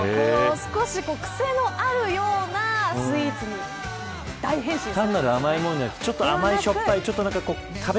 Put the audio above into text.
少しクセのあるようなスイーツに大変身します。